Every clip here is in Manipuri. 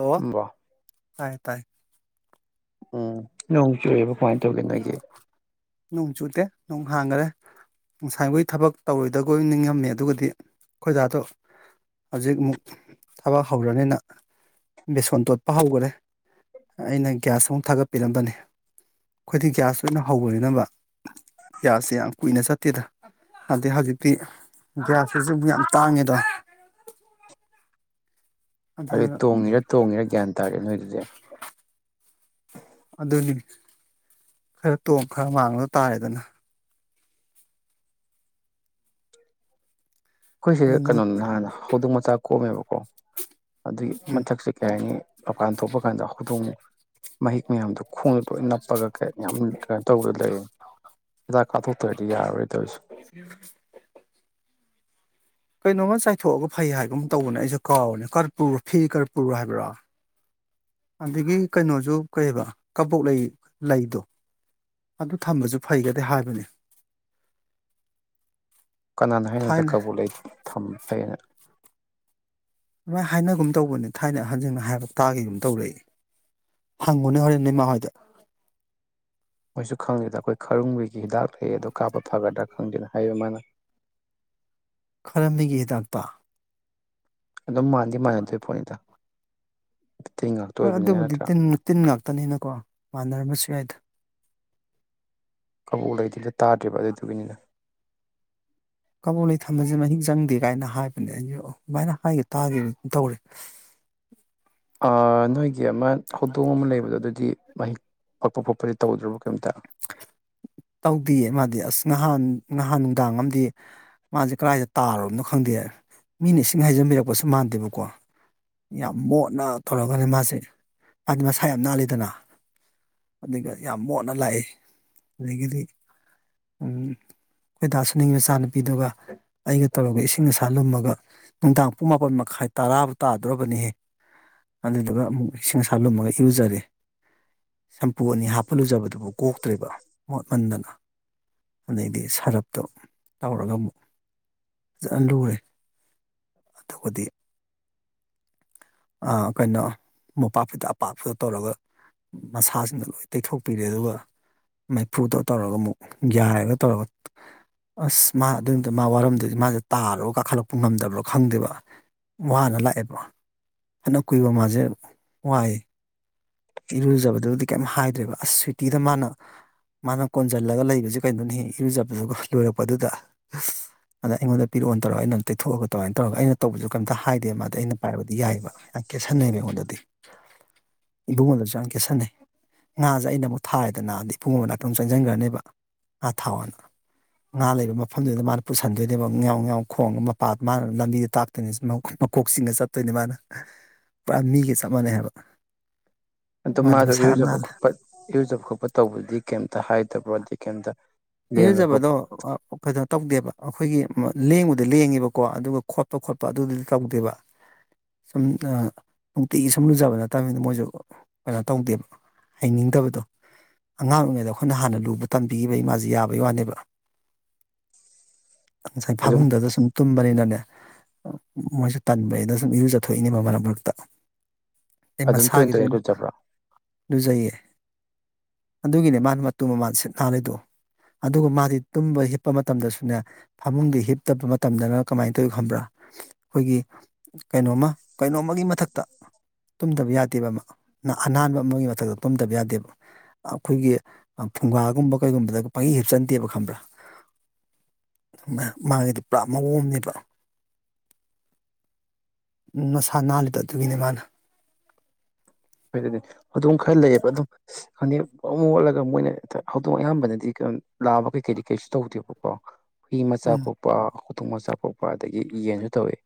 ꯑꯣ ꯕ ꯍꯥꯏ ꯇꯥꯏ꯫ ꯎꯝ ꯅꯣꯡ ꯆꯨꯏ [unintelligible] ꯅꯣꯡ ꯆꯨꯇꯦ ꯅꯣꯡ ꯍꯥꯡꯒꯔꯦ꯫ ꯉꯁꯥꯏꯈꯣꯏ ꯊꯕꯛ ꯇꯧꯔꯣꯏꯗꯈꯣꯏ ꯅꯤꯡꯉꯝꯃꯦ ꯑꯗꯨꯒꯗꯤ ꯈꯈꯣꯏꯗꯥꯗꯣ ꯍꯧꯖꯤꯛ ꯑꯃꯨꯛ ꯊꯕꯛ ꯍꯧꯔꯅꯤꯅ ꯕꯦꯁꯣꯟ ꯇꯣꯠꯄ ꯍꯧꯈꯔꯦ ꯑꯩꯅ ꯒ꯭ꯌꯥꯁ ꯑꯃꯨꯛ ꯊꯥꯒꯠꯄꯤꯔꯝꯕꯅꯤ꯫ ꯑꯩꯈꯣꯏꯗꯤ ꯒ꯭ꯌꯥꯁꯣꯏ ꯑꯣꯏꯅ ꯍꯧꯕꯅꯤꯅꯕ ꯒꯌꯥꯁꯁꯦ ꯌꯥꯝ ꯀꯨꯏꯅ ꯆꯠꯇꯦꯗ ꯑꯗꯤ ꯍꯧꯖꯤꯛꯇꯤ ꯒ꯭ꯌꯥꯁꯁꯨ ꯌꯥꯝ ꯇꯥꯡꯉꯦ ꯗ ꯑꯗꯨ ꯇꯣꯡꯉꯤꯔꯥ- ꯇꯣꯡꯉꯤꯔꯥ ꯒ꯭ꯌꯥꯟ ꯇꯥꯔꯛꯑꯦ ꯅꯣꯏꯒꯤꯗꯤ ꯑꯗꯨꯅꯤ ꯈꯔ ꯇꯣꯡ ꯈꯔ ꯃꯥꯡꯕ ꯇꯥꯔꯦꯗꯅ ꯫ ꯑꯩꯈꯣꯏꯁꯦ ꯑꯗꯨ ꯀꯩꯅꯣ ꯅꯨꯃꯤꯠ ꯅꯍꯥꯟꯅ ꯍꯧꯗꯣꯡ ꯃꯆꯥ ꯀꯣꯝꯃꯦꯕꯀꯣ ꯑꯗꯨꯒꯤ ꯎꯝ ꯃꯊꯛꯁꯦ ꯀꯩ ꯍꯥꯏꯅꯤ ꯃꯄꯥꯟ ꯊꯣꯛꯄ ꯀꯥꯟꯗ ꯍꯧꯗꯣꯡ ꯃꯍꯤꯛ ꯃꯌꯥꯝꯗꯨ ꯈꯣꯡꯗ ꯇꯣꯏꯅ ꯅꯞꯄꯒ ꯀ ꯌꯥꯝ ꯀꯩꯅ ꯇꯧꯕꯗ ꯂꯩꯔꯤꯅꯤ ꯍꯤꯗꯥꯛ ꯀꯥꯞꯊꯣꯛꯇ꯭ꯔꯗꯤ ꯌꯥꯔꯔꯣꯏ ꯇꯧꯏꯁꯤ꯫ ꯀꯩꯅꯣꯝꯃ ꯆꯥꯏꯊꯣꯛꯑꯒ ꯐꯩ ꯍꯥꯏꯒꯨꯝ ꯇꯧꯕꯅꯦ ꯑꯩꯁꯨ ꯀꯥꯎꯕꯅꯦ ꯀꯔꯄꯨꯔ ꯐꯤ ꯀꯔꯄꯨꯔ ꯍꯥꯏꯕ꯭ꯔꯥ ꯑꯗꯒꯤ ꯀꯩꯅꯣꯁꯨ ꯀꯩꯕ ꯀꯕꯣꯛ ꯂꯩ ꯂꯩꯗꯣ ꯑꯗꯨ ꯊꯝꯕꯁꯨ ꯐꯩꯒꯗꯦ ꯍꯥꯏꯕꯅꯤ꯫ ꯀꯅꯥꯅꯣ ꯍꯥꯏꯅꯗ ꯀꯕꯨ ꯂꯩ ꯊꯝ ꯐꯩꯅ? ꯑꯗꯨꯃꯥꯏ ꯍꯥꯏꯅꯒꯨꯝ ꯇꯧꯕꯅꯦ ꯊꯥꯏꯅ ꯍꯟꯖꯁꯤꯡꯅ ꯍꯥꯏꯔꯒ ꯇꯥꯒꯒꯨꯝ ꯇꯧꯔꯛꯏ ꯍꯪꯉꯨꯅꯦ ꯍꯣꯔꯦꯟ ꯅꯃꯥ ꯍꯣꯏꯗ꯫ ꯃꯣꯏꯁꯨ ꯈꯪꯗꯦꯗ ꯑꯩꯈꯣꯏ ꯈꯔꯨꯡꯕꯣꯏꯒꯤ ꯍꯤꯗꯥꯛ ꯂꯩ ꯑꯗꯨꯗ ꯀꯥꯞꯄ ꯐꯒꯗ꯭ꯔꯥ ꯈꯪꯗꯦꯅ ꯍꯥꯏꯌ ꯃꯥꯅ꯫ ꯈꯔꯝꯕꯤꯒꯤ ꯍꯤꯗꯥꯛꯇꯣ? ꯑꯗꯨꯝ ꯃꯥꯟꯗꯤ ꯃꯥꯟꯅꯗꯣꯏ ꯄꯣꯠꯅꯤꯗ꯫ ꯇꯤꯟ ꯉꯥꯛꯇ ꯍꯣꯏ ꯑꯣꯏꯕꯅꯤꯅ ꯑꯗꯨꯕꯨꯗꯤ ꯅꯠꯇ꯭ꯔꯥ ꯇꯤꯟ ꯉꯥꯛ ꯇꯅꯤꯅꯀꯣ ꯃꯥꯟꯅꯔꯝꯕꯁꯨ ꯌꯥꯏꯗ ꯫ ꯀꯕꯣꯛ ꯂꯩꯗꯤ ꯇꯥꯗ꯭ꯔꯤꯕ ꯑꯗꯨꯗꯨꯒꯤꯅꯤꯗ꯫ ꯀꯕꯣꯛ ꯂꯩ ꯊꯝꯕꯁꯦ ꯃꯍꯤꯛ ꯆꯪꯗꯦ ꯀꯥꯏꯅ ꯍꯥꯏꯕꯅꯦ ꯑꯩꯁꯨ ꯑꯗꯨꯃꯥꯏꯅ ꯍꯥꯏꯒꯦ ꯇꯥꯒꯦ ꯑꯗꯨ ꯇꯧꯔꯦ꯫ ꯑꯥ ꯅꯣꯏꯒꯤ ꯑꯃ ꯍꯧꯗꯣꯡ ꯑꯃ ꯂꯩꯕꯗꯣ ꯑꯗꯨꯗꯤ ꯃꯍꯤꯛ ꯄꯛꯄ ꯈꯣꯄꯁꯦ ꯇꯧꯗ꯭ꯔꯕ ꯀꯩꯝꯇ [inaudible] ꯇꯧꯗꯦꯌꯦ ꯃꯥꯗꯤ ꯑꯁ ꯅꯍꯥꯟ ꯅꯍꯥꯟ ꯅꯨꯡꯗꯥꯡ ꯑꯃꯗꯤ ꯃꯥꯁꯦ ꯀꯗꯥꯏꯗ ꯇꯥꯔꯣꯅꯣ ꯈꯪꯗꯦ ꯃꯤꯅ ꯏꯁꯤꯡ ꯍꯥꯏꯖꯤꯟꯕꯤꯔꯛꯄꯁꯨ ꯃꯥꯟꯗꯦꯕꯀꯣ ꯌꯥꯝ ꯃꯣꯠꯅ ꯇꯧꯔꯒꯅꯦ ꯃꯥꯁꯦ ꯃꯥꯗꯤ ꯃꯁꯥ ꯌꯥꯝ ꯅꯥꯜꯂꯤꯗꯅ ꯑꯗꯨꯒ ꯌꯥꯝ ꯃꯣꯠꯅ ꯂꯥꯛꯏ ꯑꯗꯒꯤꯗꯤ ꯑꯩꯣꯏꯗꯥꯁꯨꯅꯤꯡ ꯃꯆꯥꯅꯨꯄꯤꯗꯨꯒ ꯑꯩꯒ ꯇꯧꯔꯒ ꯏꯁꯤꯡ ꯑꯁꯥ ꯂꯨꯝꯃꯒ ꯅꯨꯡꯗꯥꯡ ꯄꯨꯡ ꯃꯥꯄꯟ ꯃꯈꯥꯏ ꯇꯔꯥꯕ ꯇꯥꯗ꯭ꯔꯕꯅꯤꯍꯦ ꯑꯗꯨꯗꯨꯒ ꯑꯃꯨꯛ ꯏꯁꯤꯡ ꯑꯁꯥ ꯂꯨꯝꯃꯒ ꯏꯔꯨꯖꯔꯦ ꯁꯝꯄꯨ ꯑꯅꯤ ꯍꯥꯞꯄ ꯂꯨꯖꯕꯗꯨꯕꯨ ꯀꯣꯛꯇ꯭ꯔꯦꯕ ꯃꯣꯠꯃꯟꯗꯅ ꯑꯗꯩꯗꯤ ꯁꯔꯞꯇꯣ ꯇꯧꯔꯒ ꯑꯃꯨꯛ ꯐꯖꯅ ꯂꯨꯔꯦ ꯑꯗꯨꯗꯤ ꯀꯩꯅꯣ ꯃꯣꯝꯄꯥꯛꯐꯤꯗꯛ ꯑꯄꯥꯛꯄꯗ ꯇꯧꯔꯒ ꯃꯁꯥꯁꯤꯡꯗꯣ ꯂꯣꯏ ꯇꯩꯊꯣꯛꯄꯤꯔꯦ ꯑꯗꯨꯒ ꯃꯩꯐꯨꯗ ꯇꯧꯔꯒ ꯑꯃꯨꯛ ꯌꯥꯏꯔꯒ ꯇꯧꯔꯒ ꯑꯁ ꯃꯥ ꯑꯗꯨ ꯅꯨꯃꯤꯠ ꯇꫭ ꯃꯥ ꯋꯥꯔꯝꯗꯨꯗꯤ ꯃꯥꯁꯦ ꯇꯥꯔꯣ ꯀꯥꯈꯠꯂꯛꯄ ꯉꯝꯗꯕ꯭ꯔꯣ ꯈꯪꯗꯦꯕ ꯋꯥꯅ ꯂꯥꯛꯑꯦꯕ ꯐꯅ ꯀꯨꯏꯕꫭꯛ ꯃꯥꯁꯦ ꯋꯥꯏ ꯏꯔꯨꯖꯕꯗꯨ ꯑꯗꯨꯗꯤ ꯀꯩꯝ ꯍꯥꯏ ꯑꯗꯨ ꯑꯁ ꯁ꯭ꯋꯤꯇꯤꯗ ꯃꯥꯅ ꯃꯥꯅ ꯀꯣꯟꯁꯤꯜꯂꯒ ꯂꯩꯕꯁꯦ ꯀꯩꯅꯣꯅꯤ ꯏꯔꯨꯖꯕꯗꯨꯒ ꯂꯣꯏꯔꯛꯄꯗꯨꯗ ꯑꯗ ꯑꯩꯉꯣꯟꯗ ꯄꯤꯔꯛꯑꯣꯅ ꯇꯧꯔꯒ ꯑꯩꯅ ꯇꯩꯊꯣꯛꯑꯒ ꯀꯃꯥꯏꯅ ꯇꯧꯔꯒ ꯑꯩꯅ ꯇꯧꯕꯁꯨ ꯀꯩꯝꯇ ꯍꯥꯏꯗꯦ ꯃꯥꯗꯤ ꯑꯩꯅ ꯄꯥꯏꯕꯗꯤ ꯌꯥꯏꯑꯕ ꯌꯥꯝ ꯀꯦꯠꯁꯟꯅꯩꯕ ꯑꯩꯉꯣꯟꯗꯗꯤ ꯏꯕꯨꯡꯉꯣꯗꯁꯨ ꯀꯦꯠꯁꯟꯅꯩ ꯉꯥꯁꯦ ꯑꯩꯅ ꯑꯃꯨꯛ ꯊꯥꯌꯦꯗꯅꯅꯥꯗꯤ ꯏꯕꯨꯡꯉꯣꯕ ꯉꯥꯛꯇ ꯑꯃꯨꯛ ꯆꯪꯁꯤꯟꯈ꯭ꯔꯅꯦꯕ ꯉꯥ ꯊꯥꯎ ꯑꯅ ꯉꯥ ꯂꯩꯕ ꯃꯐꯝꯗꯨꯗ ꯃꯥꯅ ꯄꯨꯁꯟꯗꯣꯏꯅꯦꯕ ꯉꯥꯥꯎ ꯉꯥꯎ ꯈꯣꯡꯉꯒ ꯃꯄꯥ ꯃꯥꯅ ꯂꯝꯕꯤꯗ ꯇꯥꯛꯇꯣꯏꯅꯤ ꯃꯀꯣꯛ ꯆꯤꯡꯒ ꯆꯠꯇꯣꯏꯅꯦ ꯃꯥꯅ ꯄꯨꯔꯥ ꯃꯤꯒ ꯆꯞ ꯃꯥꯟꯅꯩ ꯍꯥꯏꯕ ꯑꯣ ꯃꯥꯗꯤ ꯃꯥꯗꯣ ꯃꯁꯥ ꯌꯥꯝ ꯅꯥꯜꯂꯦ ꯌꯎꯖꯕ ꯈꯣꯠꯄ ꯌꯨꯖꯕ ꯈꯣꯠꯄ ꯇꯧꯕꯗꯤ ꯀꯩꯝ ꯍꯥꯏꯗ꯭ꯔꯔꯕꯔꯀꯦꯟꯗ ꯏꯔꯨꯖꯕꯗꯣ ꯀꯩꯅꯣ ꯇꯧꯗꯦꯕ ꯑꯩꯈꯣꯏꯒꯤ ꯂꯦꯡꯕꯗ ꯂꯦꯡꯉꯦꯕꯀꯣ ꯑꯗꯨꯒ ꯈꯣꯠꯄ ꯈꯣꯠꯄ ꯑꯗꯨꯗꯗꯤ ꯇꯧꯗꯦꯕ ꯁꯨꯝ ꯅꯨꯡꯇꯤꯒꯤ ꯁꯨꯝ ꯂꯨꯖꯕ ꯅꯠꯇꯕꯅꯤꯅ ꯃꯣꯏꯁꯨ ꯀꯩꯅꯣ ꯇꯧꯗꯦꯕ ꯍꯩꯅꯤꯡꯗꯕꯗꯣ ꯑꯉꯥꯡ ꯑꯣꯏꯔꯤꯉꯩꯗ ꯑꯩꯈꯣꯏꯅ ꯍꯥꯟꯅ ꯂꯨꯕ ꯇꯝꯕꯤꯈꯤꯕ ꯏꯃꯥꯁꯦ ꯌꯥꯕꯒꯤ ꯋꯥꯅꯦꯕ ꯉꯁꯥꯏ ꯑꯗꯨꯝ ꯐꯥꯕꯨꯡꯗꯁꯨ ꯁꯨꯝ ꯇꯨꯝꯕꯅꯤꯅꯅꯦ ꯃꯣꯏꯁꯨ ꯇꯕꯩ ꯑꯗ ꯁꯨꯝ ꯏꯨ ꯆꯠꯊꯣꯛꯏꯅꯦꯕ ꯃꯔꯛ ꯃꯔꯛꯇ ꯑꯩ ꯑꯗꯨꯝ ꯇꯣꯏꯅ ꯃꯁꯥꯒꯤꯁꯨ ꯇꯣꯏꯅ ꯑꯣꯏꯅ ꯂꯨꯖꯕ꯭ꯔꯣ ꯂꯨꯖꯩꯌꯦ ꯑꯗꯨꯒꯤꯅꯦ ꯃꯥꯅ ꯃꯇꯨ ꯃꯃꯥꯟ ꯁꯤꯠ ꯅꯥꯍꯜꯂꯤꯗꯣ ꯑꯗꯨꯒ ꯃꯥꯗꯤ ꯇꯨꯝꯕ ꯍꯤꯞꯄ ꯃꯇꯝꯗꯁꯨꯅꯦ ꯐꯃꯨꯡꯗꯤ ꯍꯤꯞꯇꯕ ꯃꯇꯝꯗꯅ ꯀꯃꯥꯏꯅ ꯇꯧꯏ ꯈꯪꯕ꯭ꯔꯥ ꯑꯩꯈꯣꯏꯒꯤ ꯀꯩꯅꯣꯃ ꯀꯩꯅꯣ ꯑꯃꯒꯤ ꯃꯊꯛꯇ ꯇꯨꯝꯗꯕ ꯌꯥꯗꯦꯕ ꯑꯃ ꯑꯅꯥꯟꯕ ꯑꯃꯒꯤ ꯃꯊꯛꯇ ꯇꯨꯝꯗꯕ ꯌꯥꯗꯦꯕ ꯑꯩꯈꯣꯏꯒꯤ ꯐꯨꯡꯒꯥꯒꯨꯝꯕ ꯀꯩꯒꯨꯝꯕꯗ ꯄꯒꯤ ꯍꯦꯞꯆꯟꯗꯦꯕ ꯈꯪꯕ꯭ꯔꯥ ꯃꯥꯒꯤꯗꯤ ꯄꯨꯔꯥ ꯃꯑꯣꯡ ꯑꯃꯅꯦꯕ ꯅꯁꯥ ꯅꯥꯜꯂꯤꯦꯗ ꯑꯗꯨꯒꯤꯅꯦ ꯃꯥꯅ ꯑꯗꯨꯣꯏ ꯑꯗꯨꯗꯤ ꯑꯗꯨꯝ ꯈꯔ ꯂꯩꯑꯕ ꯑꯗꯨꯝ ꯐꯅꯦꯛ ꯑꯃꯨꯛ ꯑꯣꯠꯂꯒ ꯃꯣꯏꯅ ꯍꯧꯗꯣꯡ ꯑꯌꯥꯝꯕꯅꯗꯤ ꯀꯩꯅꯣ ꯂꯥꯛꯑꯕ ꯀꯩ ꯀꯩꯗꯤ ꯀꯩꯁꯨ ꯇꯧꯗꯦꯕ ꯑꯣ ꯍ ꯃꯆꯥ ꯎꯝ ꯄꯣꯄ ꯊꯨꯝ ꯃꯆꯥ ꯄꯣꯛꯄ ꯑꯗꯒꯤ ꯌꯦꯟꯁꯨ ꯇꯧꯋꯤ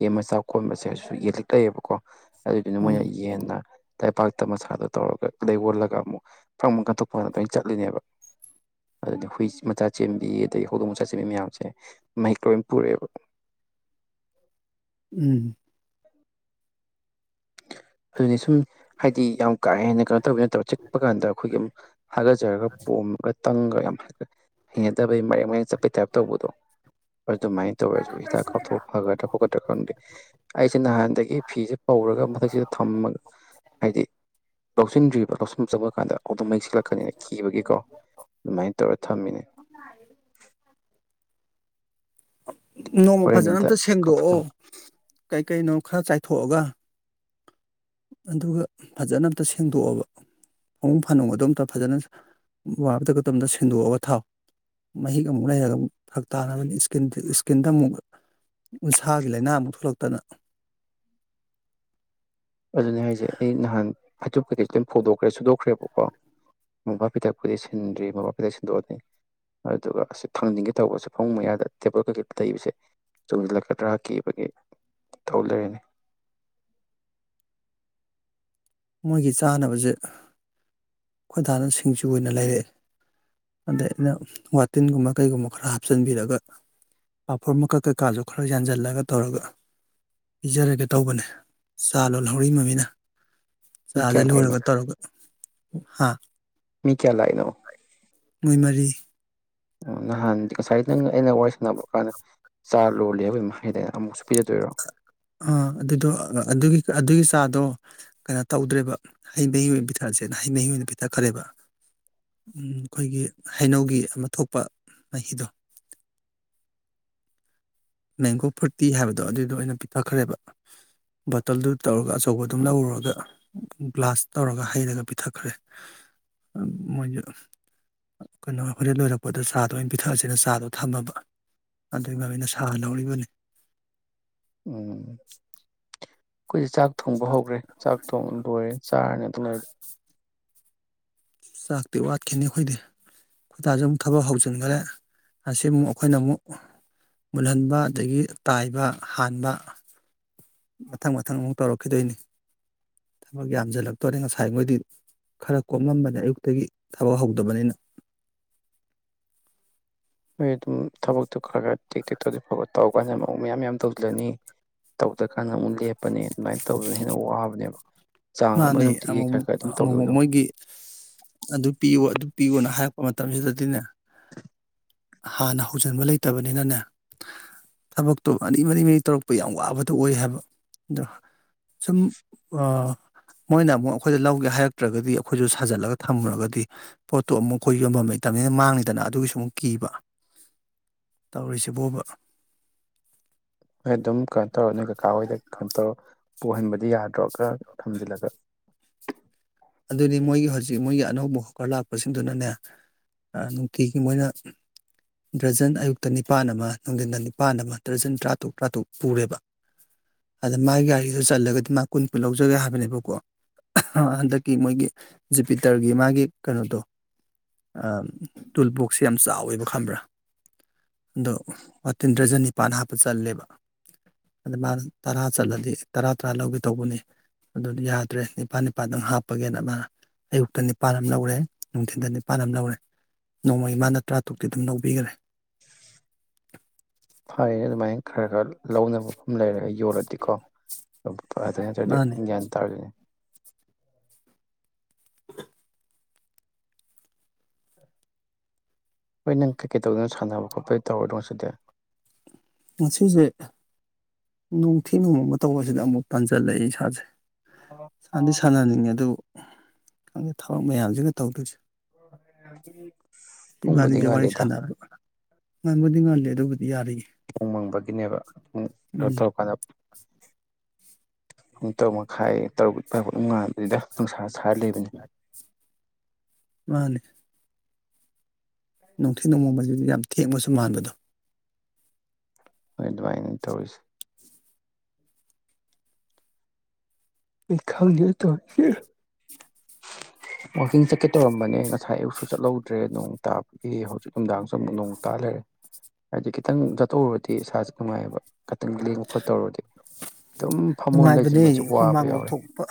ꯌꯦꯟ ꯃꯆꯥ ꯀꯣꯟꯕꯁꯦꯁꯨ ꯌꯦꯟ ꯂꯤꯛ ꯂꯩꯌꯦꯕꯀꯣ ꯑꯗꯨꯗꯨꯅ ꯎꯝ ꯃꯣꯏꯅ ꯌꯦꯟꯅ ꯂꯩꯄꯥꯛꯇ ꯃꯁꯥꯗꯣ ꯇꯧꯔꯒ ꯂꯩ ꯑꯣꯣꯜꯂꯒ ꯑꯃꯨꯛ ꯐꯪꯕ ꯀꯟꯊꯣꯛꯄ ꯂꯣꯏ ꯆꯠꯂꯤꯅꯦꯕ ꯑꯗꯨꯗꯤ ꯍꯨꯏ ꯃꯆꯥ ꯆꯦꯟꯕꯤ ꯑꯗꯒꯤ ꯍꯧꯗꯣꯡ ꯃꯆꯥ ꯆꯦꯟꯕꯤ ꯃꯌꯥꯝꯁꯦ ꯃꯍꯤꯛ ꯂꯣꯏ ꯄꯨꯔꯛꯑꯦꯕ ꯎꯝ ꯑꯗꯨꯅꯤ ꯁꯨꯝ ꯍꯥꯏꯗꯤ ꯌꯥꯝ ꯀꯥ ꯍꯦꯟꯅ ꯀꯩꯅꯣ ꯇꯧꯒꯦ ꯅꯠꯇ꯭ꯔ ꯆꯤꯛꯄ ꯀꯥꯟꯗ ꯑꯩꯈꯣꯏꯒꯤ ꯍꯥꯒꯠꯆꯔꯒ ꯄꯣꯝꯃꯒ ꯇꯪꯒ ꯌꯥꯝ ꯍꯅꯗꯕꯩ ꯃꯔꯦꯛ ꯃꯔ ꯆꯠꯄꯩ ꯇꯥꯏꯞ ꯇꯧꯕꯗꯣ ꯑꯗꯨꯃꯥꯏꯅ ꯇꯧꯋꯦꯁꯨ ꯍꯤꯗꯥꯛ ꯀꯥꯞꯊꯣꯛ ꯐꯒꯗ꯭ꯔꯥ ꯈꯣꯠꯀꯗ꯭ꯔꯥ ꯈꯪꯗꯦ ꯑꯩꯁꯦ ꯅꯍꯥꯟꯗꯒꯤ ꯐꯤꯁꯦ ꯄꯧꯔꯒ ꯃꯊꯛꯁꯤꯗ ꯊꯝꯃꯒ ꯍꯥꯏꯗꯤ ꯂꯧꯁꯤꯟꯗ꯭ꯔꯤꯕ ꯂꯧꯁꯤꯟ ꯆꯕ ꯀꯥꯟꯗ ꯑꯣꯗꯣꯝ ꯃꯩꯁꯤꯂꯛ ꯀꯅꯤ ꯀꯤꯕꯒꯤꯀꯣ ꯑꯗꯨꯃꯥꯏꯅ ꯇꯧꯔꯦꯠ ꯅꯣꯡꯃ ꯍꯣꯔꯦꯟ ꯐꯖꯅ ꯑꯝꯇ ꯁꯦꯡꯗꯣꯛꯑꯣ ꯀꯥꯞꯊꯣꯛ ꯑꯗꯨꯒ ꯐꯖꯅ ꯑꯝꯇ ꯁꯦꯡꯗꯣꯛꯑꯕ ꯐꯃꯨꯡ ꯐꯥꯅꯨꯡꯒꯗꯣ ꯑꯝꯇ ꯐꯖꯅ ꯃꯣꯄꯥꯐꯤꯗꯥꯛ ꯀꯗꯣ ꯑꯝꯇ ꯁꯤꯟꯗꯣꯛꯑꯒ ꯊꯥꯎ ꯃꯍꯤꯛ ꯑꯃꯨꯛ ꯂꯩꯔꯒ ꯑꯃꯨꯛ ꯐꯔꯛ ꯇꯥꯅꯕꯅꯤ ꯏꯁꯀꯤꯟ ꯏꯁꯀꯤꯟꯗ ꯑꯃꯨꯛ ꯎꯟꯁꯥꯒꯤ ꯂꯥꯏꯅꯥ ꯑꯃꯨꯛ ꯊꯣꯛꯂꯛꯇꯅ ꯑꯗꯨꯅꯦ ꯍꯥꯏꯖꯦ ꯑꯩ ꯅꯍꯥꯟ ꯐꯩꯆꯨꯞ ꯀꯩꯀꯩꯁꯤꯗꯤ ꯑꯗꯨꯝ ꯐꯧꯗꯣꯛꯈ꯭ꯔꯦ ꯁꯨꯗꯣꯛꯈ꯭ꯔꯦꯕꯀꯣ ꯃꯣꯝꯄꯥꯛꯐꯤꯗꯥꯛꯄꯨꯗꯤ ꯁꯤꯟꯗ꯭ꯔꯤ ꯃꯣꯝꯄꯥꯛꯐꯤꯗꯛ ꯁꯤꯟꯗꯣꯛꯑꯅꯤ ꯑꯗꯨꯒ ꯑꯁ ꯊꯥꯡꯅꯤꯡꯒꯦ ꯇꯧꯕꯁꯦ ꯐꯃꯨꯡ ꯃꯌꯥꯗ ꯇꯦꯕꯜ ꯀꯩꯀꯩ ꯇꯩꯕꯁꯦ ꯆꯣꯡꯖꯤꯜꯂꯛꯀꯗ꯭ꯔꯥ ꯀꯤꯕꯒꯤ ꯇꯧ ꯂꯩꯔꯦꯅꯦ ꯃꯣꯏꯒꯤ ꯆꯥꯅꯕꯖꯦ ꯈꯣꯏꯗꯥꯅ ꯁꯤꯡꯖꯨ ꯑꯣꯏꯅ ꯂꯩꯔꯛꯑꯦ ꯑꯗ ꯑꯩꯅ ꯋꯥꯇꯤꯟꯒꯨꯝꯕ ꯀꯩꯒꯨꯝꯕ ꯈꯔ ꯍꯥꯞꯆꯤꯟꯕꯤꯔꯒ ꯄꯥꯐꯣꯔ ꯃꯀꯛ ꯀꯩꯀꯥꯖꯨ ꯈꯔ ꯌꯥꯟꯖꯜꯂꯒ ꯇꯧꯔꯒ ꯄꯤꯖꯔꯒꯦ ꯇꯧꯕꯅꯦ ꯆꯥ ꯂꯣꯟꯍꯧꯔꯤ ꯃꯃꯤꯅ ꯃꯤ ꯆꯖꯦ ꯀꯌꯥ ꯂꯥꯛꯏꯅꯣ ꯂꯣꯏꯔꯒ ꯇꯧꯔꯒ [unintelligible] ꯃꯤ ꯀꯌꯥ ꯂꯥꯏꯅꯣ ꯃꯣꯏ ꯃꯔꯤ ꯑ ꯉꯍꯥꯟ ꯉꯁꯥꯏ ꯅꯪ ꯑꯩꯅ ꯋꯥꯔꯤ ꯁꯥꯟꯅꯕ꯭ꯔꯣ ꯀꯥꯟꯗ ꯆꯥ ꯂꯣꯜꯂꯤ ꯍꯥꯏꯕꯔꯥ ꯀꯩꯅꯣꯝ ꯍꯥꯏꯒꯤꯗꯥꯏꯅꯦ ꯑꯃꯨꯛꯁꯨ ꯄꯤꯖꯗꯣꯏꯔꯣ ꯑꯥ ꯑꯗꯨꯗꯣ ꯑꯗꯨꯒꯤ ꯑꯗꯨꯒꯤ ꯆꯥꯗꯣ ꯀꯩꯅꯣ ꯇꯧꯗ꯭ꯔꯦꯕ ꯍꯩ ꯃꯍꯤ ꯑꯣꯏꯅ ꯄꯤꯊꯛꯑꯁꯦꯅ ꯍꯩ ꯃꯍꯤ ꯑꯣꯏꯅ ꯄꯤꯊꯛꯈ꯭ꯔꯦꯕ ꯑꯈꯣꯏꯒꯤ ꯍꯩꯅꯧꯒꯤ ꯑꯃ ꯊꯣꯛꯄ ꯃꯍꯤꯗꯣ ꯃꯦꯡꯒꯣ ꯐꯨꯔꯇꯤ ꯍꯥꯏꯕꯗꯣ ꯑꯗꯨꯏꯗꯣ ꯑꯣꯏꯅ ꯄꯤꯊꯛꯈ꯭ꯔꯦꯕ ꯕꯣꯇꯜꯗꯨ ꯇꯧꯔꯒ ꯑꯆꯧꯕ ꯑꯗꯨꯝ ꯂꯧꯔꯨꯔꯒ ꯒ꯭ꯂꯥꯁ ꯇꯧꯔꯒ ꯍꯩꯔꯒ ꯄꯤꯊꯛꯈ꯭ꯔꯦ ꯃꯣꯏꯖꯨ ꯀꯩꯅꯣ ꯍꯣꯔꯦꯟ ꯂꯣꯏꯔꯛꯄꯗ ꯆꯥꯗꯣ ꯑꯣꯏꯅ ꯄꯤꯊꯛꯑꯁꯦꯅ ꯆꯥꯗꯣ ꯊꯝꯃꯕ ꯑꯗꯨꯏ ꯃꯃꯤꯅ ꯁꯥ ꯊꯥ ꯅꯧꯔꯤꯕꯅꯤ ꯎꯝ ꯈꯣꯏꯗꯤ ꯆꯥꯛ ꯊꯣꯡꯕ ꯍꯧꯒꯔ꯭ꯦ ꯆꯥꯛ ꯊꯣꯡ ꯂꯣꯏꯔꯦ ꯆꯥꯔꯅꯦ [unintelligible] ꯆꯥꯛꯇꯤ ꯋꯥꯠꯈꯤꯅꯤ ꯑꯈꯣꯏꯗꯤ ꯈꯨꯣꯏꯗꯥꯖꯨ ꯑꯃꯨꯛ ꯊꯕꯛ ꯍꯧꯖꯟꯒꯔꯦ ꯑꯁꯤ ꯑꯃꯨꯛ ꯑꯈꯣꯏꯅ ꯑꯃꯨꯛ ꯃꯨꯜꯍꯟꯕ ꯑꯗꯒꯤ ꯇꯥꯏꯕ ꯍꯥꯟꯕ ꯃꯊꯪ ꯃꯊꯪ ꯑꯃꯨꯛ ꯇꯧꯔꯛꯈꯤꯗꯣꯏꯅꯤ ꯊꯕꯛ ꯌꯥꯝꯖꯤꯜꯂꯛꯇꯣꯔꯦ ꯉꯁꯥꯏ ꯃꯣꯏꯗꯤ ꯈꯔ ꯀꯣꯝꯂꯝꯕꯅꯤ ꯑꯌꯨꯛꯇꯒꯤ ꯊꯕꯛ ꯍꯧꯗꯕꯅꯤꯅ ꯍꯣꯏ ꯑꯗꯨ ꯊꯕꯛꯇꯨ ꯈꯒ ꯇꯦꯛ ꯇꯦꯛ ꯇꯧꯗꯤ ꯐꯕꯥ ꯇꯧ [unintelligible] ꯑꯃꯨꯛ ꯃꯌꯥꯝ ꯌꯥꯝ ꯇꯧꯖꯤꯜꯂꯅꯤ ꯇꯧꯗ꯭ꯔꯀꯥꯟꯗ ꯑꯃꯨꯛ ꯂꯦꯞꯄꯅꯤ ꯑꯗꯨꯃꯥꯏꯅ ꯇꯧꯕꯗꯨꯅ ꯍꯦꯟꯅ ꯋꯥꯕꯅꯦꯕ ꯆꯥꯡ ꯑꯃ ꯃꯥꯅꯦ ꯅꯨꯡꯇꯤꯒꯤ ꯈꯔ ꯑꯃꯨꯃꯨꯛ ꯈꯔ ꯑꯗꯨꯝ ꯑꯃꯨꯃꯨꯛ ꯇꯧꯈꯤꯕꯗꯣ ꯃꯣꯏꯒꯤ ꯑꯗꯨ ꯄꯤꯌꯨ ꯑꯗꯨ ꯄꯤꯌꯨꯅ ꯍꯥꯏꯔꯛꯄ ꯃꯇꯝ ꯇꯝꯖꯤꯗꯗꯤꯅꯦ ꯍꯥꯟꯅ ꯍꯧꯖꯤꯟꯕ ꯂꯩꯇꯕꯅꯤꯅꯅꯦ ꯊꯕꯛꯇꯣ ꯃꯔꯤ ꯃꯔꯤ ꯃꯔꯤ ꯇꯧꯔꯛꯄ ꯌꯥꯝ ꯋꯥꯕꯗꯣ ꯑꯣꯏ ꯍꯥꯏꯕ ꯑꯗꯣ ꯁꯨꯝ ꯃꯣꯏꯅ ꯑꯃꯨꯛ ꯑꯈꯣꯏꯗ ꯂꯧꯒꯦ ꯍꯥꯏꯔꯛꯇ꯭ꯔꯒꯗꯤ ꯑꯈꯣꯏꯖꯨ ꯁꯥꯖꯜꯂꯒ ꯊꯝꯃꯨꯔꯒꯗꯤ ꯄꯣꯠꯇꯣ ꯑꯃꯨꯛ ꯑꯈꯣꯏ ꯌꯣꯟꯕꯝ ꯂꯩꯇꯝꯅꯤꯅ ꯃꯥꯡꯅꯤꯗꯅ ꯑꯗꯨꯒꯤꯁꯨ ꯑꯃꯨꯛ ꯀꯤꯕ ꯇꯧꯔꯤꯁꯤꯕꯣꯕ ꯍꯣꯏ ꯑꯗꯨꯝ ꯀꯩꯅꯣ ꯇꯧꯔꯅꯤ ꯀꯀꯥ ꯍꯣꯏꯗ ꯀꯩꯅ ꯇꯧꯔ ꯄꯨꯍꯟꯕ ꯗꯤ ꯌꯥꯗ꯭ꯔꯣ ꯈꯔ ꯊꯝꯖꯤꯜꯂꯒ ꯑꯗꯨꯗꯤ ꯃꯣꯏꯒꯤ ꯍꯧꯖꯤꯛ ꯃꯣꯏꯒꯤ ꯑꯅꯧꯕ ꯍꯣꯀꯔ ꯂꯥꯛꯄꯁꯤꯡꯗꯨꯅꯅꯦ ꯅꯨꯡꯇꯤꯒꯤ ꯃꯣꯏꯅ ꯗ꯭ꯔꯖꯟ ꯑꯌꯨꯛꯇ ꯅꯤꯄꯥꯥꯟ ꯑꯃ ꯅꯨꯡꯗꯤꯟꯗ ꯅꯤꯄꯥꯟ ꯑꯃ ꯗ꯭ꯔꯖꯟ ꯇꯔꯥꯇꯨꯛ ꯇꯔꯥꯇꯨꯛ ꯄꯨꯔꯦꯕ ꯑꯗ ꯃꯥꯒꯤ ꯒꯥꯔꯤꯗꯨ ꯆꯜꯂꯒꯗꯤ ꯃꯥ ꯀꯨꯟ ꯀꯨꯟ ꯂꯧꯖꯒꯦ ꯍꯥꯏꯕꯅꯦꯕꯀꯣ ꯍꯟꯗꯛ ꯀꯤ ꯃꯣꯏꯒꯤ ꯖꯨꯄꯤꯇꯔꯒꯤ ꯃꯥꯒꯤ ꯀꯩꯅꯣꯗꯣ ꯇꯨꯜ ꯕꯣꯛꯁ ꯌꯥꯝ ꯆꯥꯎꯋꯦꯕ ꯈꯝꯕ꯭ꯔꯥ ꯑꯗꯣ ꯋꯥꯇꯤꯟ ꯗ꯭ꯔꯖꯟ ꯅꯤꯄꯥꯥꯟ ꯍꯥꯞꯄ ꯆꯜꯂꯦꯕ ꯑꯗ ꯃꯥꯅ ꯇꯔꯥ ꯆꯠꯂꯗꯤ ꯇꯔꯥ ꯇꯔꯥ ꯂꯧꯒꯦ ꯇꯧꯕꯅꯤ ꯑꯗꯨꯗꯤ ꯌꯥꯗ꯭ꯔꯦ ꯅꯤꯄꯥꯜ ꯅꯤꯄꯥꯜꯗꯪ ꯍꯥꯄ ꯄꯒꯦꯅ ꯃꯥꯅ ꯑꯌꯨꯛꯇ ꯅꯤꯄꯥꯜ ꯑꯃ ꯂꯧꯔꯦ ꯅꯨꯡꯊꯤꯟꯗ ꯅꯤꯄꯥꯜ ꯑꯃ ꯂꯧꯔꯦ ꯅꯣꯡꯃꯒꯤ ꯃꯥꯅ ꯇꯔꯥꯇꯨꯛꯇꯤ ꯑꯗꯨꯝ ꯂꯧꯕꯤꯒꯔꯦ ꯐꯔꯦꯅꯦ ꯑꯗꯨ ꯃꯥꯏ ꯈꯔ ꯈꯔ ꯂꯧꯅꯕ ꯃꯐꯝ ꯂꯩꯔꯒ ꯌꯣꯜꯂꯗꯤꯀꯣ ꯑꯗꯨ ꯅꯠꯇ꯭ꯔꯗꯤ ꯃꯥꯅꯤ ꯒ꯭ꯌꯥꯟ ꯇꯥꯔꯣꯏꯗꯣꯏꯅꯦ ꯍꯣꯏ ꯅꯪ ꯀꯩꯀꯩ ꯇꯧꯗꯣꯏꯅꯣ ꯁꯥꯟꯅꯕ ꯈꯣꯠꯄ ꯇꯧꯔꯣꯏꯗꯔꯣ ꯉꯁꯤꯗꯤ ꯉꯥꯁꯤꯖꯦ ꯅꯅꯨꯡꯊꯤ ꯅꯨꯡꯃ ꯑꯃ ꯇꯧꯕꯁꯤꯗ ꯑꯃꯨꯛ ꯄꯟꯁꯤꯜꯂꯛꯏ ꯏꯁꯥꯁꯦ ꯁꯥꯟꯗꯤ ꯁꯥꯟꯅꯅꯤꯡꯉꯦ ꯑꯗꯨ ꯈꯪꯗꯦ ꯊꯕꯛ ꯃꯌꯥꯝꯁꯤꯅ ꯇꯧꯗꯣꯏꯁꯦ ꯄꯨꯡꯕꯨꯗꯤ ꯉꯥꯂꯗ ꯃꯪꯕꯨꯗꯤ ꯉꯂꯦ ꯑꯗꯨꯕꯗꯤ ꯌꯥꯔꯔꯤ ꯎꯨꯡ ꯃꯪꯕꯒꯤꯅꯦꯕ ꯎꯝ ꯎꯝ ꯇ ꯀꯥꯟꯗ ꯄꯨꯡ ꯇꯔꯨꯛ ꯃꯈꯥꯏ ꯇꯔꯨꯛꯥꯏ ꯄꯠꯉꯥ ꯑꯗꯨꯗ ꯃꯥꯅꯤ ꯅꯨꯡꯊꯤ ꯅꯣꯡꯃꯣꯡꯕꯁꯤꯗꯤ ꯌꯥꯝ ꯊꯦꯡꯕꯁꯨ ꯃꯥꯟꯕꯗꯣ ꯍꯣꯏ ꯑꯗꯨꯃꯥꯏꯅ ꯇꯧꯔꯤꯁꯦ ꯑꯩ ꯈꯪ ꯇ ꯋꯥꯋꯥꯛꯀꯤꯡ ꯆꯠꯀꯦ ꯇꯧꯔꯝꯕꯅꯦ ꯉꯁꯥꯏ ꯑꯌꯨꯛꯁꯨ ꯆꯠꯍꯧꯗ꯭ꯔꯦ ꯅꯣꯡ ꯇꯥꯕꯒꯤ ꯍꯧꯖꯤꯛ ꯅꯨꯡꯗꯥꯡꯁꯨ ꯑꯃꯨꯛ ꯅꯣꯡ ꯇꯥ ꯂꯩꯔꯦ ꯍꯥꯏꯕꯗꯤ ꯈꯤꯇꯪ ꯆꯠꯇꯧꯔꯨꯔꯗꯤ ꯏꯁꯥꯁꯦ ꯅꯨꯡꯉꯥꯏꯌꯦꯕ ꯈꯤꯇꯪ ꯂꯦꯡꯕ ꯈꯣꯠꯇꯧꯔꯗꯤ ꯅꯨꯡꯉꯥꯏꯕꯅꯤ ꯍꯨꯃꯥꯡ ꯂꯧꯊꯣꯛꯄ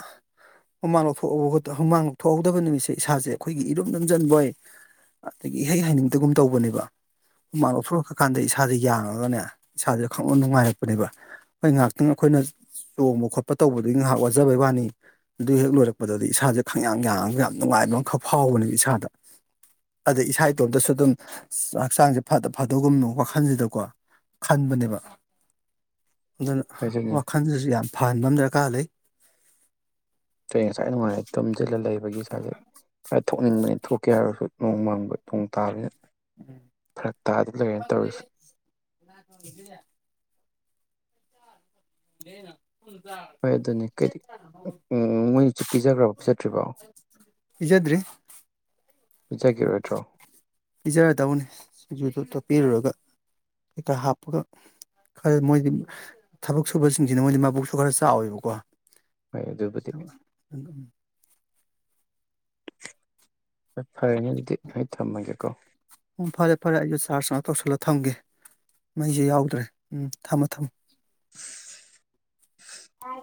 ꯍꯨꯃꯥꯡ ꯂꯧꯊꯣꯛꯑꯕ ꯑꯗꯣ ꯍꯨꯃꯥꯡ ꯂꯧꯊꯣꯛꯍꯧꯗꯕ ꯅꯨꯃꯤꯠꯁꯦ ꯏꯁꯥꯁꯦ ꯑꯩꯈꯣꯏꯒꯤ ꯏꯔꯨꯝ ꯂꯝꯁꯤꯟꯕꯣꯏ ꯑꯗꯒꯤ ꯏꯍꯩ ꯍꯩꯅꯤꯡꯗꯒꯨꯝ ꯇꯧꯕꯅꯦꯕ ꯍꯨꯃꯥꯡ ꯂꯧꯊꯣꯔꯛꯈ꯭ꯔ ꯀꯥꯟꯗ ꯏꯁꯥꯁꯦ ꯌꯥꯡꯉꯒꯅꯦ ꯏꯁꯥꯁꯦ ꯈꯪꯅ ꯅꯨꯡꯉꯥꯏꯔꯛꯄꯅꯦꯕ ꯍꯣꯏ ꯉꯥꯏꯍꯥꯛꯇꯪ ꯑꯩꯈꯣꯏꯅ ꯆꯣꯡꯕ ꯈꯣꯠꯄ ꯇꯧꯕꯗꯨꯒꯤ ꯉꯥꯏꯍꯥꯛ ꯋꯥꯖꯕꯩ ꯋꯥꯅꯤ ꯑꯗꯨ ꯍꯦꯛ ꯂꯣꯏꯔꯛꯄꯗꯗꯤ ꯏꯁꯥꯁꯦ ꯈꯪꯌꯥꯥꯡ ꯌꯥꯡꯉꯒ ꯌꯥꯝ ꯅꯨꯡꯉꯥꯏꯕ ꯑꯃꯈꯛ ꯐꯥꯎꯕꯅꯦꯕ ꯏꯁꯥꯗ ꯑꯗꯩ ꯏꯁꯥ ꯏꯇꯣꯝꯇꯁꯨ ꯑꯗꯨꯝ ꯍꯛꯆꯥꯡꯁꯦ ꯐ ꯐꯗꯕꯒꯨꯝꯅꯣ ꯋꯥꯈꯜꯁꯤꯗꯀꯣ ꯈꯟꯕꯅꯦꯕ ꯑꯗꯨꯅꯤ ꯑꯗꯨꯅ ꯌꯥꯝ ꯐꯍꯟꯕ ꯑꯃ ꯗꯔꯀꯥꯔ ꯂꯩ ꯉꯁꯥꯏ ꯅꯨꯡꯉꯥꯏꯝꯂ ꯂꯩ ꯑꯩꯈꯒꯤ ꯁꯋꯥꯏꯁꯦ ꯈꯔ ꯊꯣꯛꯅꯤꯡꯕꯅꯤ ꯊꯣꯛꯀꯦ ꯍꯥꯏꯔꯁꯨ ꯅꯣꯡ ꯃꯥꯡꯕ ꯅꯣꯡ ꯇꯥꯕꯅ ꯇꯧꯔꯤꯁꯦ [inaudible] ꯗꯅ ꯍꯣꯏ ꯑꯗꯨꯅꯤ ꯀꯩ ꯃꯣꯏꯅꯁꯨ ꯄꯤꯖꯈ꯭ꯔꯕ ꯄꯤꯖꯗ꯭ꯔꯤꯕꯣ ꯄꯤꯖꯈꯤꯔꯣꯏꯗ꯭ꯔꯣ ꯏꯖꯔ ꯇꯕꯨꯅꯤꯗ ꯄꯤꯔꯨꯔꯒ ꯍꯦꯛꯇ ꯍꯥꯞꯄꯒ ꯈꯔ ꯃꯣꯏꯗꯤ ꯊꯕꯛ ꯁꯨꯕꯁꯤꯡꯁꯤꯅ ꯃꯣꯏꯗꯤ ꯃꯕꯨꯛꯁꯨ ꯈꯔ ꯆꯥꯎꯋꯦꯕꯀꯣ [inaudible] ꯍꯣꯏ ꯑꯗꯨꯕꯨꯗꯤ ꯐꯔꯦꯅꯦ ꯑꯗꯨꯗꯤ ꯑꯩ ꯊꯝꯃꯒꯦꯀꯣ ꯎꯝ ꯐꯔꯦ ꯐꯔꯦ ꯑꯩꯁꯨ ꯆꯥꯔꯖ ꯑꯃ ꯇꯧꯁꯤꯜꯂ ꯊꯝꯒꯦ ꯃꯩꯁꯨ ꯌꯥꯎꯗ꯭ꯔꯦ ꯎꯝ ꯊꯝꯃꯣ ꯊꯝꯃꯣ ꯑ